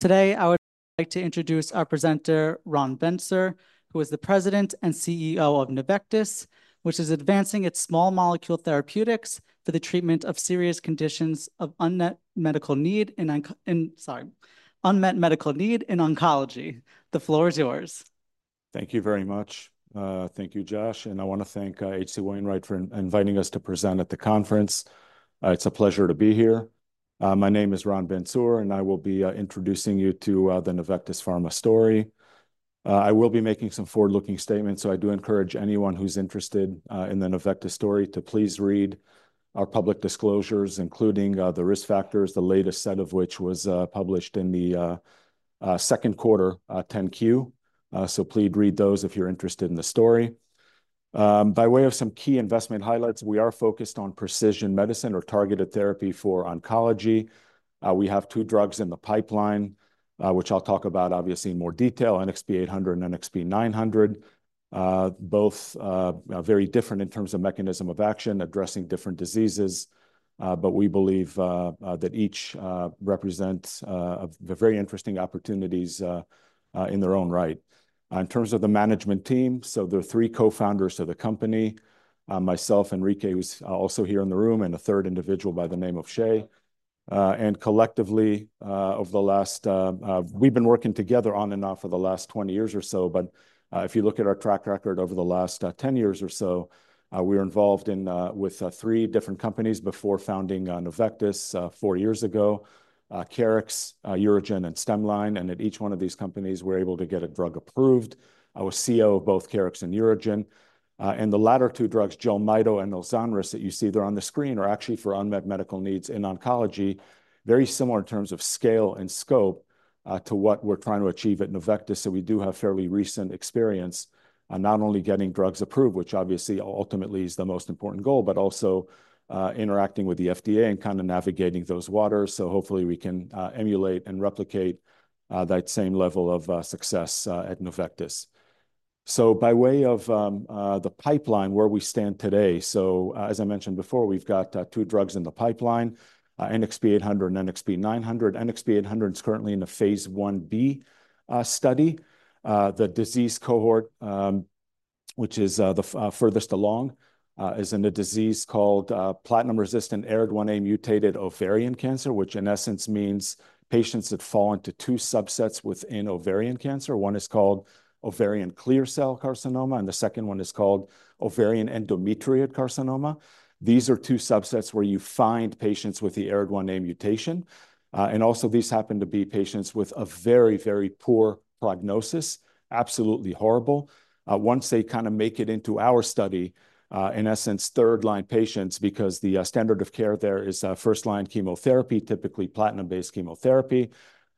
Today, I would like to introduce our presenter, Ron Bentsur, who is the President and CEO of Nuvectis, which is advancing its small molecule therapeutics for the treatment of serious conditions of unmet medical need in oncology. The floor is yours. Thank you very much. Thank you, Josh, and I want to thank H.C. Wainwright for inviting us to present at the conference. It's a pleasure to be here. My name is Ron Bentsur, and I will be introducing you to the Nuvectis Pharma story. I will be making some forward-looking statements, so I do encourage anyone who's interested in the Nuvectis story to please read our public disclosures, including the risk factors, the latest set of which was published in the Q2 10-Q. So please read those if you're interested in the story. By way of some key investment highlights, we are focused on precision medicine or targeted therapy for oncology. We have two drugs in the pipeline, which I'll talk about obviously in more detail, NXP-800 and NXP-900. Both are very different in terms of mechanism of action, addressing different diseases, but we believe that each represents a very interesting opportunities in their own right. In terms of the management team, so there are three co-founders of the company, myself, Enrique, who's also here in the room, and a third individual by the name of Shay. And collectively, over the last. We've been working together on and off for the last twenty years or so, but, if you look at our track record over the last ten years or so, we were involved in with three different companies before founding Nuvectis four years ago: Keryx, UroGen, and Stemline. And at each one of these companies, we're able to get a drug approved. I was CEO of both Keryx and UroGen, and the latter two drugs, Jelmyto and Elzonris, that you see there on the screen, are actually for unmet medical needs in oncology. Very similar in terms of scale and scope, to what we're trying to achieve at Nuvectis. So we do have fairly recent experience on not only getting drugs approved, which obviously ultimately is the most important goal, but also, interacting with the FDA and kind of navigating those waters. So hopefully, we can, emulate and replicate, that same level of, success, at Nuvectis. So by way of, the pipeline, where we stand today, so, as I mentioned before, we've got, two drugs in the pipeline, NXP-800 and NXP-900. NXP-800 is currently in a phase I-B, study. The disease cohort, which is the furthest along, is in a disease called platinum-resistant ARID1A-mutated ovarian cancer, which in essence means patients that fall into two subsets within ovarian cancer. One is called ovarian clear cell carcinoma, and the second one is called ovarian endometrioid carcinoma. These are two subsets where you find patients with the ARID1A mutation, and also, these happen to be patients with a very, very poor prognosis, absolutely horrible. Once they kind of make it into our study, in essence, third-line patients, because the standard of care there is first-line chemotherapy, typically platinum-based chemotherapy,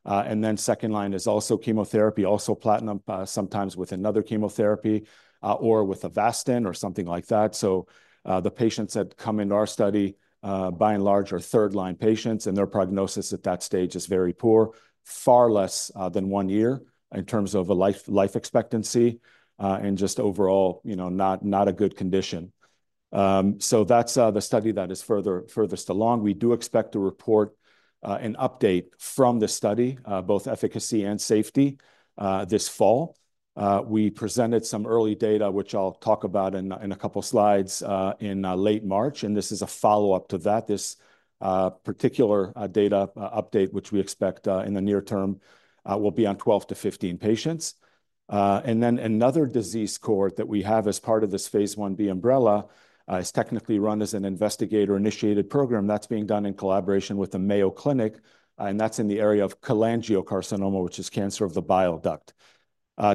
and then second line is also chemotherapy, also platinum, sometimes with another chemotherapy, or with Avastin or something like that. The patients that come into our study, by and large, are third-line patients, and their prognosis at that stage is very poor, far less than one year in terms of life expectancy, and just overall, you know, not a good condition. That's the study that is furthest along. We do expect to report an update from the study, both efficacy and safety, this fall. We presented some early data, which I'll talk about in a couple of slides, in late March, and this is a follow-up to that. This particular data update, which we expect in the near term, will be on 12 to 15 patients. And then another disease cohort that we have as part of this phase I-B umbrella is technically run as an investigator-initiated program that's being done in collaboration with the Mayo Clinic, and that's in the area of cholangiocarcinoma, which is cancer of the bile duct.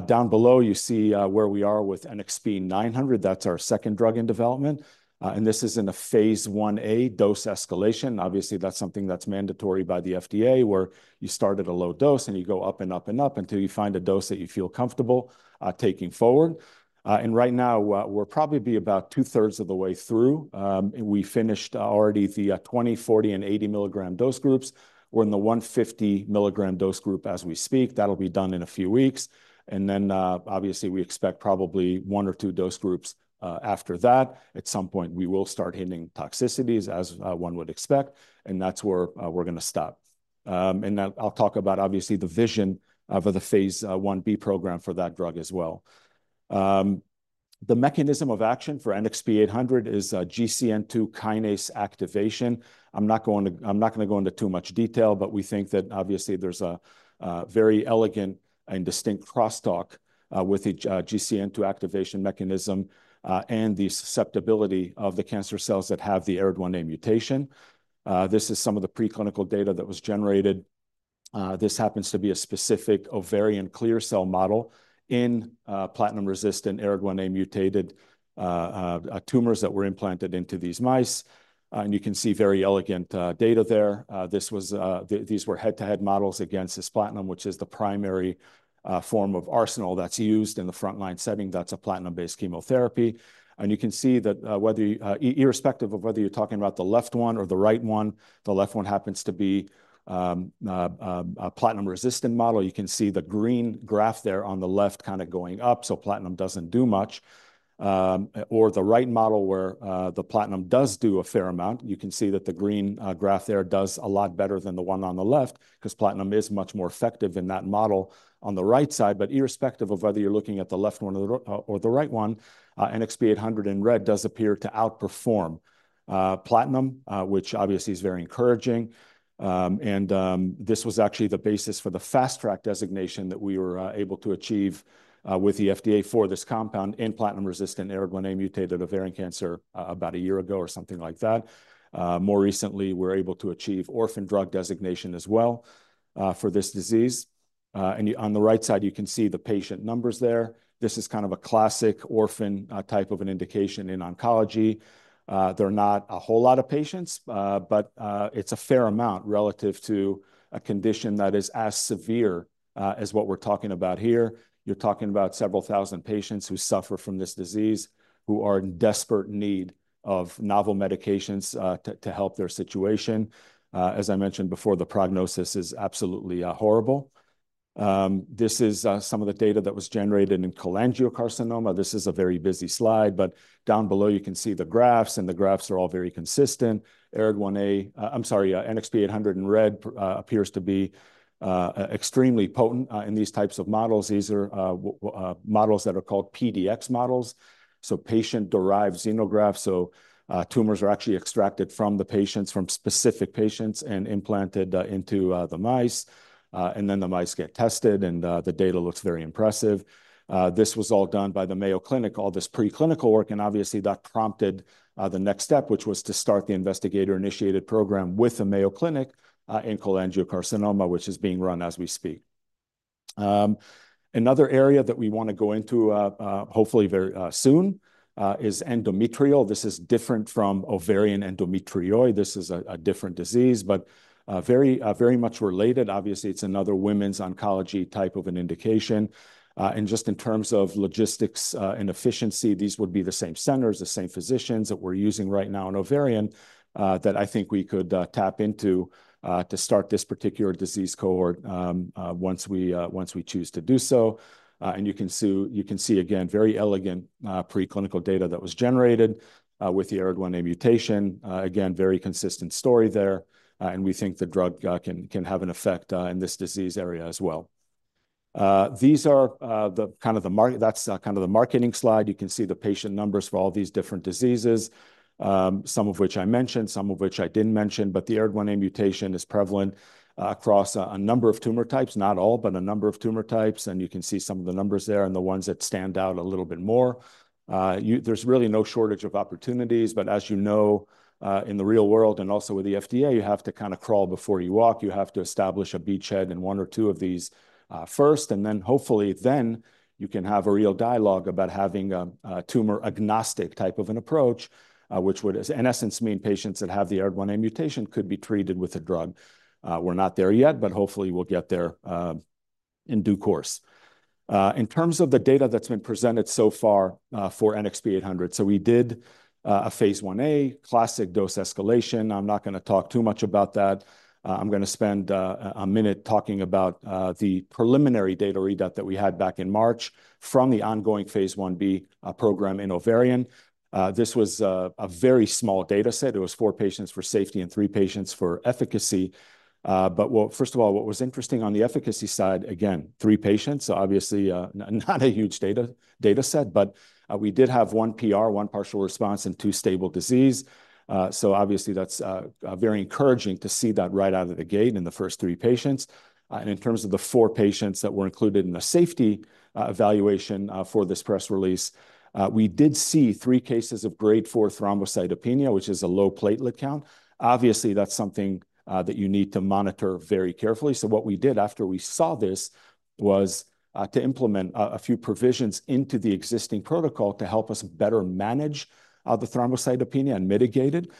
Down below, you see where we are with NXP-900. That's our second drug in development, and this is in a phase I-A dose escalation. Obviously, that's something that's mandatory by the FDA, where you start at a low dose, and you go up and up and up until you find a dose that you feel comfortable taking forward. And right now, we're probably be about two-thirds of the way through. We finished already the 20mg, 40mg, and 80mg dose groups. We're in the 150mg dose group as we speak. That'll be done in a few weeks, and then, obviously, we expect probably one or two dose groups after that. At some point, we will start hitting toxicities, as one would expect, and that's where we're going to stop. And I'll talk about, obviously, the vision of the phase I-B program for that drug as well. The mechanism of action for NXP-800 is GCN2 kinase activation. I'm not going to go into too much detail, but we think that obviously there's a very elegant and distinct crosstalk with each GCN2 activation mechanism and the susceptibility of the cancer cells that have the ARID1A mutation. This is some of the preclinical data that was generated. This happens to be a specific ovarian clear cell model in platinum-resistant ARID1A-mutated tumors that were implanted into these mice, and you can see very elegant data there. These were head-to-head models against this platinum, which is the primary form of arsenal that's used in the front-line setting. That's a platinum-based chemotherapy. And you can see that, whether irrespective of whether you're talking about the left one or the right one, the left one happens to be a platinum-resistant model. You can see the green graph there on the left kind of going up, so platinum doesn't do much, or the right model, where the platinum does do a fair amount. You can see that the green graph there does a lot better than the one on the left, 'cause platinum is much more effective in that model on the right side. But irrespective of whether you're looking at the left one or the right one, NXP-800 in red does appear to outperform platinum, which obviously is very encouraging. And this was actually the basis for the Fast Track designation that we were able to achieve with the FDA for this compound in platinum-resistant ARID1A mutated ovarian cancer about a year ago or something like that. More recently, we're able to achieve orphan drug designation as well for this disease. And on the right side, you can see the patient numbers there. This is kind of a classic orphan type of an indication in oncology. There are not a whole lot of patients, but it's a fair amount relative to a condition that is as severe as what we're talking about here. You're talking about several thousand patients who suffer from this disease, who are in desperate need of novel medications to help their situation. As I mentioned before, the prognosis is absolutely horrible. This is some of the data that was generated in cholangiocarcinoma. This is a very busy slide, but down below, you can see the graphs, and the graphs are all very consistent. ARID1A, NXP-800 in red appears to be extremely potent in these types of models. These are models that are called PDX models, so patient-derived xenografts. So, tumors are actually extracted from the patients, from specific patients, and implanted into the mice, and then the mice get tested, and the data looks very impressive. This was all done by the Mayo Clinic, all this preclinical work, and obviously, that prompted the next step, which was to start the investigator-initiated program with the Mayo Clinic in cholangiocarcinoma, which is being run as we speak. Another area that we wanna go into, hopefully very soon, is endometrial. This is different from ovarian endometriosis. This is a different disease, but very much related. Obviously, it's another women's oncology type of an indication. And just in terms of logistics and efficiency, these would be the same centers, the same physicians that we're using right now in ovarian, that I think we could tap into to start this particular disease cohort, once we choose to do so. And you can see again, very elegant preclinical data that was generated with the ARID1A mutation. Again, very consistent story there, and we think the drug can have an effect in this disease area as well. That's kind of the marketing slide. You can see the patient numbers for all these different diseases, some of which I mentioned, some of which I didn't mention, but the ARID1A mutation is prevalent, across a number of tumor types, not all, but a number of tumor types, and you can see some of the numbers there and the ones that stand out a little bit more. There's really no shortage of opportunities, but as you know, in the real world, and also with the FDA, you have to kind of crawl before you walk. You have to establish a beachhead in one or two of these, first, and then hopefully, you can have a real dialogue about having a tumor-agnostic type of an approach, which would, in essence, mean patients that have the ARID1A mutation could be treated with a drug. We're not there yet, but hopefully, we'll get there, in due course. In terms of the data that's been presented so far, for NXP-800, so we did a phase I-A, classic dose escalation. I'm not gonna talk too much about that. I'm gonna spend a minute talking about the preliminary data readout that we had back in March from the ongoing phase I-B program in ovarian. This was a very small data set. It was four patients for safety and three patients for efficacy. But, well, first of all, what was interesting on the efficacy side, again, three patients, so obviously, not a huge data set, but we did have one PR, one partial response, and two stable disease. So obviously, that's very encouraging to see that right out of the gate in the first three patients. And in terms of the four patients that were included in the safety evaluation for this press release, we did see three cases of Grade 4 thrombocytopenia, which is a low platelet count. Obviously, that's something that you need to monitor very carefully. So what we did after we saw this was to implement a few provisions into the existing protocol to help us better manage the thrombocytopenia and mitigate it.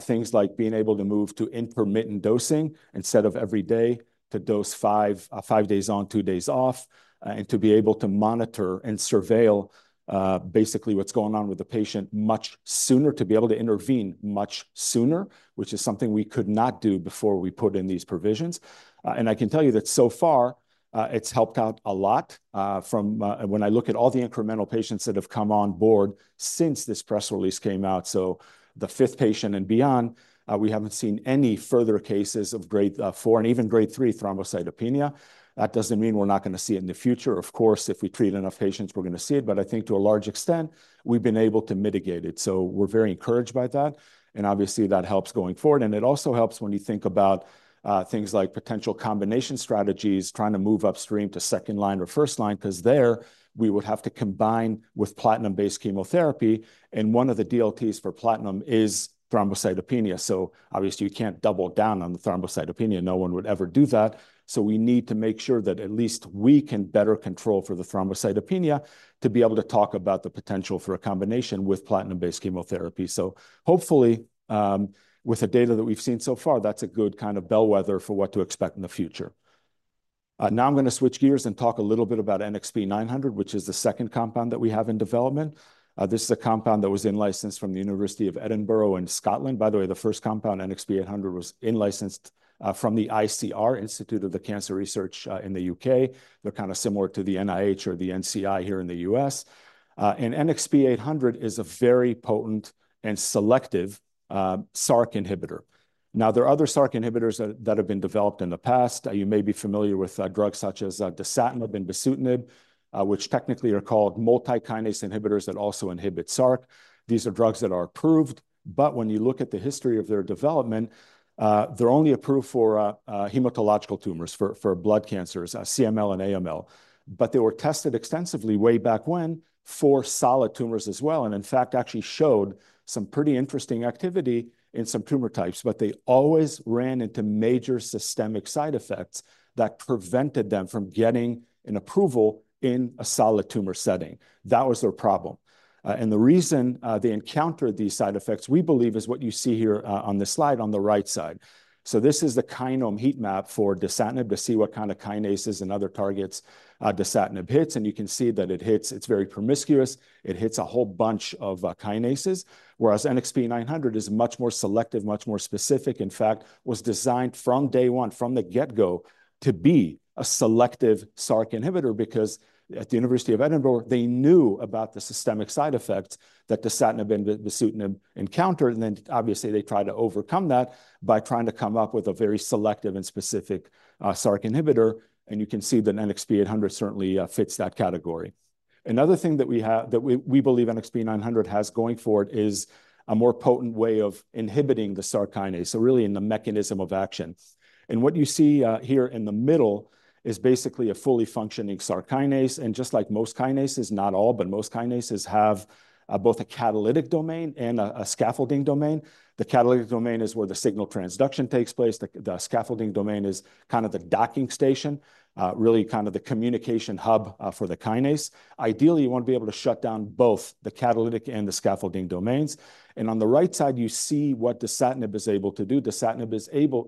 Things like being able to move to intermittent dosing instead of every day, to dose five, five days on, two days off, and to be able to monitor and surveil, basically, what's going on with the patient much sooner, to be able to intervene much sooner, which is something we could not do before we put in these provisions. And I can tell you that so far, it's helped out a lot. When I look at all the incremental patients that have come on board since this press release came out, so the fifth patient and beyond, we haven't seen any further cases of Grade 4 and even Grade 3 thrombocytopenia. That doesn't mean we're not gonna see it in the future. Of course, if we treat enough patients, we're gonna see it, but I think to a large extent, we've been able to mitigate it, so we're very encouraged by that, and obviously, that helps going forward. And it also helps when you think about, things like potential combination strategies, trying to move upstream to second-line or first-line, 'cause there, we would have to combine with platinum-based chemotherapy, and one of the DLTs for platinum is thrombocytopenia. So obviously, you can't double down on the thrombocytopenia. No one would ever do that. So we need to make sure that at least we can better control for the thrombocytopenia to be able to talk about the potential for a combination with platinum-based chemotherapy. So hopefully, with the data that we've seen so far, that's a good kind of bellwether for what to expect in the future. Now I'm gonna switch gears and talk a little bit about NXP-900, which is the second compound that we have in development. This is a compound that was in-licensed from the University of Edinburgh in Scotland. By the way, the first compound, NXP-800, was in-licensed from the ICR, Institute of Cancer Research, in the U.K. They're kind of similar to the NIH or the NCI here in the U.S., and NXP-800 is a very potent and selective Src inhibitor. Now, there are other Src inhibitors that have been developed in the past. You may be familiar with drugs such as dasatinib and bosutinib, which technically are called multi-kinase inhibitors that also inhibit Src. These are drugs that are approved.... But when you look at the history of their development, they're only approved for hematological tumors, for blood cancers, CML and AML. But they were tested extensively way back when for solid tumors as well, and in fact, actually showed some pretty interesting activity in some tumor types. But they always ran into major systemic side effects that prevented them from getting an approval in a solid tumor setting. That was their problem, and the reason they encountered these side effects, we believe, is what you see here on this slide on the right side, so this is the kinome heat map for dasatinib to see what kind of kinases and other targets dasatinib hits, and you can see that it hits. It's very promiscuous. It hits a whole bunch of kinases, whereas NXP-900 is much more selective, much more specific. In fact, was designed from day one, from the get-go, to be a selective Src inhibitor, because at the University of Edinburgh, they knew about the systemic side effects that dasatinib and bosutinib encountered. Then, obviously, they tried to overcome that by trying to come up with a very selective and specific Src inhibitor, and you can see that NXP-900 certainly fits that category. Another thing that we believe NXP-900 has going for it is a more potent way of inhibiting the Src kinase, so really in the mechanism of action. What you see here in the middle is basically a fully functioning Src kinase. And just like most kinases, not all, but most kinases have both a catalytic domain and a scaffolding domain. The catalytic domain is where the signal transduction takes place. The scaffolding domain is kind of the docking station, really kind of the communication hub for the kinase. Ideally, you want to be able to shut down both the catalytic and the scaffolding domains, and on the right side, you see what dasatinib is able to do. Dasatinib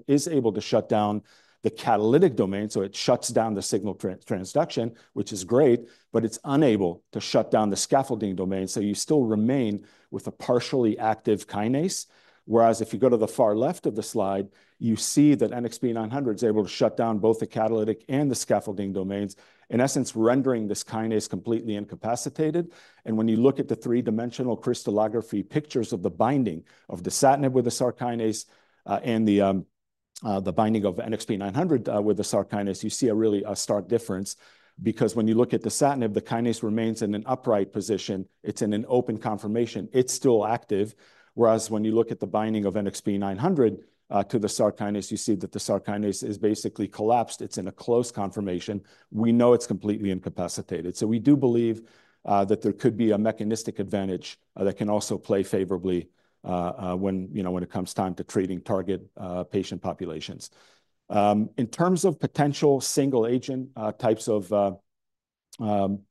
is able to shut down the catalytic domain, so it shuts down the signal transduction, which is great, but it's unable to shut down the scaffolding domain, so you still remain with a partially active kinase. Whereas if you go to the far left of the slide, you see that NXP-900 is able to shut down both the catalytic and the scaffolding domains, in essence, rendering this kinase completely incapacitated. And when you look at the three-dimensional crystallography pictures of the binding of dasatinib with the Src kinase, and the binding of NXP-900 with the Src kinase, you see a really stark difference. Because when you look at dasatinib, the kinase remains in an upright position. It's in an open conformation. It's still active. Whereas when you look at the binding of NXP-900 to the Src kinase, you see that the Src kinase is basically collapsed. It's in a close conformation. We know it's completely incapacitated. So we do believe that there could be a mechanistic advantage that can also play favorably when, you know, when it comes time to treating target patient populations. In terms of potential single-agent types of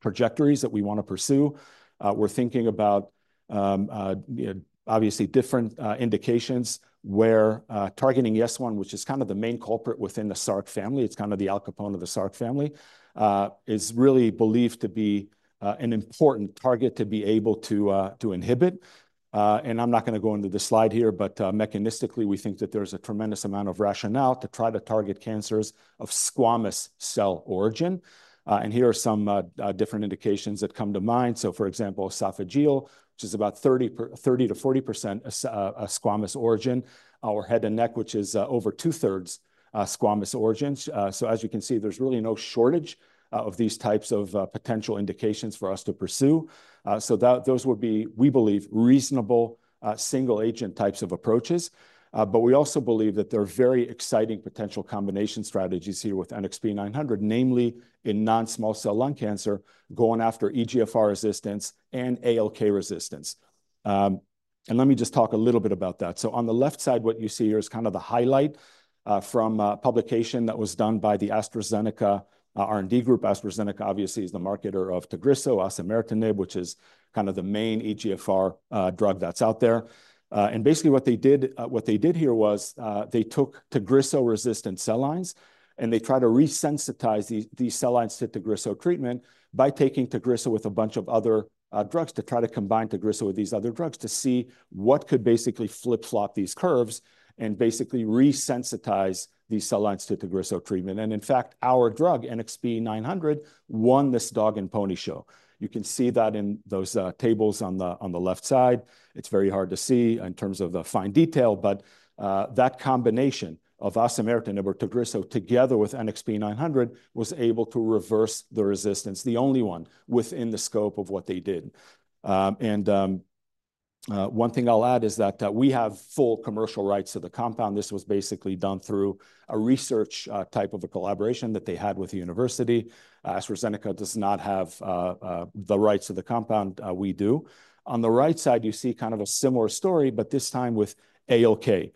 trajectories that we wanna pursue, we're thinking about obviously different indications where targeting Yes1, which is kind of the main culprit within the Src family, it's kind of the Al Capone of the Src family, is really believed to be an important target to be able to to inhibit, and I'm not gonna go into the slide here, but mechanistically, we think that there's a tremendous amount of rationale to try to target cancers of squamous cell origin, and here are some different indications that come to mind. So, for example, esophageal, which is about 30%-40% squamous origin, or head and neck, which is over two-thirds squamous origins. So as you can see, there's really no shortage of these types of potential indications for us to pursue. So those would be, we believe, reasonable single-agent types of approaches. But we also believe that there are very exciting potential combination strategies here with NXP-900, namely in non-small cell lung cancer, going after EGFR resistance and ALK resistance. And let me just talk a little bit about that. So on the left side, what you see here is kind of the highlight from a publication that was done by the AstraZeneca R&D group. AstraZeneca obviously is the marketer of Tagrisso, osimertinib, which is kind of the main EGFR drug that's out there. And basically, what they did here was they took Tagrisso-resistant cell lines, and they tried to resensitize these cell lines to Tagrisso treatment by taking Tagrisso with a bunch of other drugs to try to combine Tagrisso with these other drugs to see what could basically flip-flop these curves and basically resensitize these cell lines to Tagrisso treatment. And in fact, our drug, NXP-900, won this dog and pony show. You can see that in those tables on the left side. It's very hard to see in terms of the fine detail, but that combination of osimertinib or Tagrisso, together with NXP-900, was able to reverse the resistance, the only one within the scope of what they did. One thing I'll add is that we have full commercial rights to the compound. This was basically done through a research type of a collaboration that they had with the university. AstraZeneca does not have the rights to the compound. We do. On the right side, you see kind of a similar story, but this time with ALK.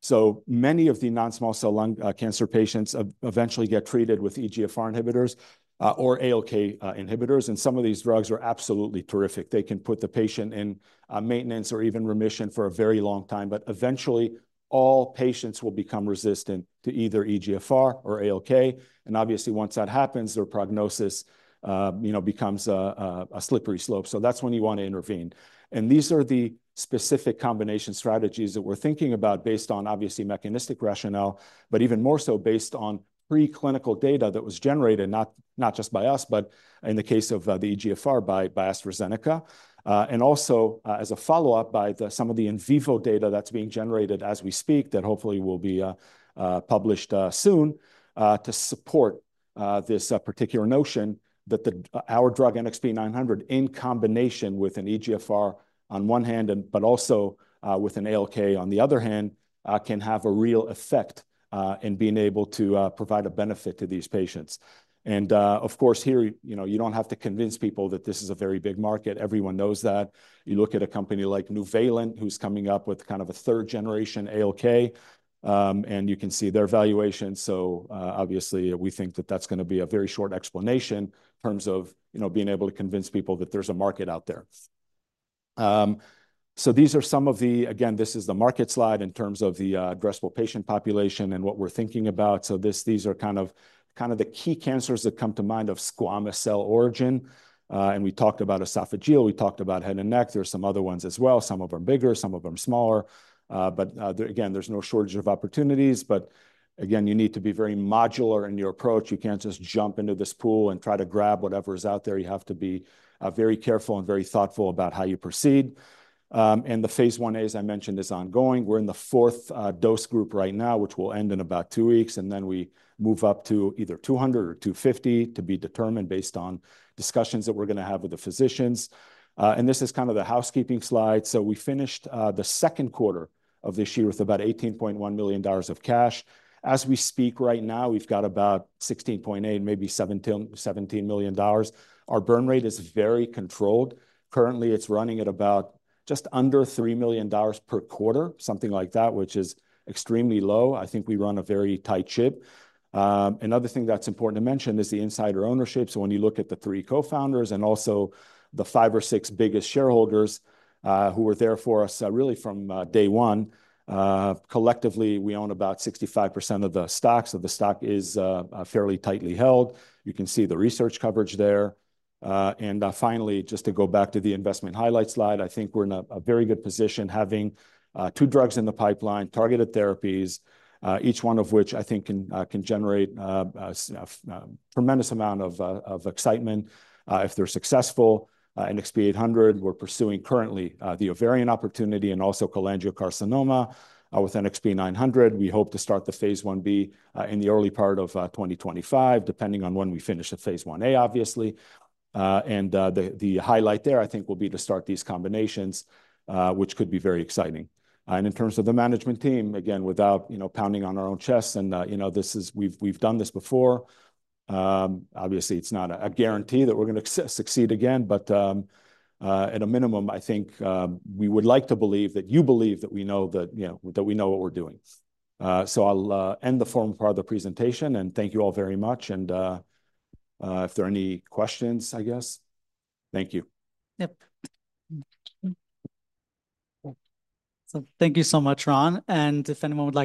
So many of the non-small cell lung cancer patients eventually get treated with EGFR inhibitors or ALK inhibitors, and some of these drugs are absolutely terrific. They can put the patient in maintenance or even remission for a very long time, but eventually, all patients will become resistant to either EGFR or ALK, and obviously, once that happens, their prognosis, you know, becomes a slippery slope, so that's when you want to intervene. And these are the specific combination strategies that we're thinking about based on, obviously, mechanistic rationale, but even more so, based on preclinical data that was generated, not just by us, but in the case of the EGFR, by AstraZeneca. And also, as a follow-up, by some of the in vivo data that's being generated as we speak that hopefully will be published soon to support this particular notion that our drug NXP-900, in combination with an EGFR on one hand, and but also with an ALK on the other hand, can have a real effect in being able to provide a benefit to these patients. And, of course, here, you know, you don't have to convince people that this is a very big market. Everyone knows that. You look at a company like Nuvalent, who's coming up with kind of a third-generation ALK, and you can see their valuation. So, obviously, we think that that's gonna be a very short explanation in terms of, you know, being able to convince people that there's a market out there. So these are some of the. Again, this is the market slide in terms of the addressable patient population and what we're thinking about. So these are kind of the key cancers that come to mind of squamous cell origin. And we talked about esophageal, we talked about head and neck. There are some other ones as well. Some of them are bigger, some of them are smaller, but again, there's no shortage of opportunities. But again, you need to be very modular in your approach. You can't just jump into this pool and try to grab whatever is out there. You have to be very careful and very thoughtful about how you proceed, and the phase I-A, as I mentioned, is ongoing. We're in the fourth dose group right now, which will end in about two weeks, and then we move up to either two hundred or two fifty, to be determined based on discussions that we're gonna have with the physicians. And this is kind of the housekeeping slide. So we finished the Q2 of this year with about $18.1 million of cash. As we speak right now, we've got about $16.8, maybe $17, $17 million. Our burn rate is very controlled. Currently, it's running at about just under $3 million per quarter, something like that, which is extremely low. I think we run a very tight ship. Another thing that's important to mention is the insider ownership. So when you look at the three co-founders and also the five or six biggest shareholders, who were there for us, really from day one, collectively, we own about 65% of the stock, so the stock is fairly tightly held. You can see the research coverage there. And finally, just to go back to the investment highlights slide, I think we're in a very good position, having two drugs in the pipeline, targeted therapies, each one of which I think can generate a tremendous amount of excitement, if they're successful. NXP-800, we're pursuing currently the ovarian opportunity and also cholangiocarcinoma. With NXP-900, we hope to start the phase I-B in the early part of 2025, depending on when we finish the phase I-A, obviously. And the highlight there, I think, will be to start these combinations, which could be very exciting. And in terms of the management team, again, without, you know, pounding on our own chests, and you know, this is-- we've done this before. Obviously, it's not a guarantee that we're gonna succeed again, but at a minimum, I think we would like to believe that you believe that we know that, you know, that we know what we're doing. So I'll end the formal part of the presentation, and thank you all very much. And if there are any questions, I guess. Thank you. Yep, so thank you so much, Ron, and if anyone would like to-